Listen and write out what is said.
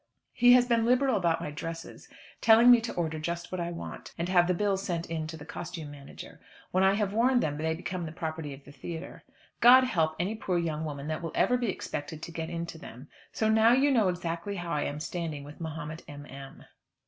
He has been liberal about my dresses, telling me to order just what I want, and have the bill sent in to the costume manager. When I have worn them they become the property of the theatre. God help any poor young woman that will ever be expected to get into them. So now you know exactly how I am standing with Mahomet M. M.